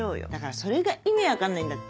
それが意味分かんないんだって。